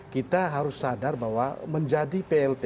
kita harus sadar bahwa menjadi plt